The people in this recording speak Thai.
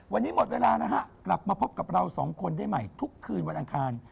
วันนี้หมดเวลานะฮะกลับมาพบกับเราสองคนได้ใหม่ทุกคืนวันอังคาร